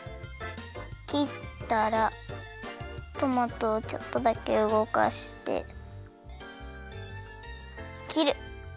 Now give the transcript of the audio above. トマトをちょっとだけうごかしてきる！